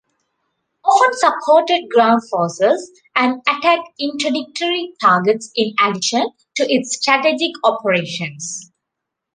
Often supported ground forces and attacked interdictory targets in addition to its strategic operations.